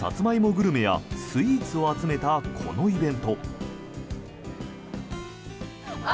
グルメやスイーツを集めたこのイベント。